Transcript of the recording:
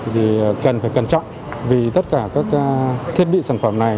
thì cần phải cẩn trọng vì tất cả các thiết bị sản phẩm này